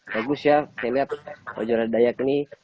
bagus ya saya lihat baju adat dayak ini